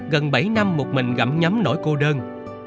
gần bảy năm một mình gặm nhắm nỗi cô đơn